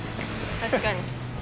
確かに。